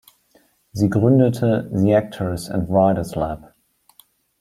Sie gründete „The Actors and Writers Lab“.